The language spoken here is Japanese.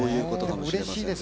うれしいです。